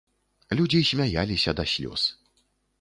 Людзі смяяліся да слёз.